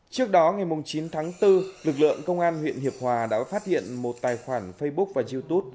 trước đó ngày chín tháng bốn lực lượng công an huyện hiệp hòa đã phát hiện một tài khoản facebook và youtube